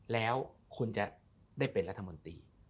แล้วคุณจะได้เป็นรัฐมนตรี